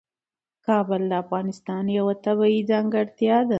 کابل د افغانستان یوه طبیعي ځانګړتیا ده.